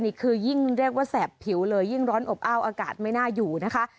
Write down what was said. นี่คือยิ่งเรียกว่าแสบผิวเลยยิ่งร้อนอบอ้าวอากาศไม่น่าอยู่นะคะ